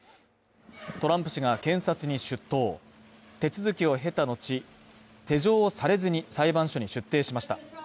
トランプ氏が検察に出頭手続きを経た後、手錠をされずに裁判所に出廷しました。